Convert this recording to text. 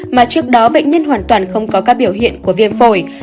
mà trước đó bệnh nhân hoàn toàn không có các biểu hiện của viêm phổi